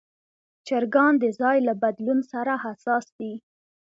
چرګان د ځای له بدلون سره حساس دي.